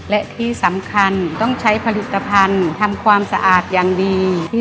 และที่สำคัญต้องใช้ผลิตภัณฑ์ทำความสะอาดอย่างดี